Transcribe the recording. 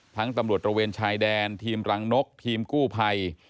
ตำรวจตระเวนชายแดนทีมรังนกทีมกู้ภัย